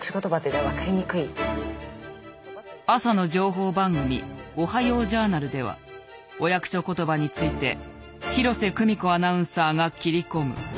朝の情報番組「おはようジャーナル」ではお役所ことばについて広瀬久美子アナウンサーが切り込む。